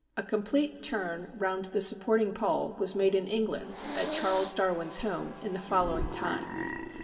A complete turn round the supporting pole was made in England, at Charles Darwin's home, in the following times.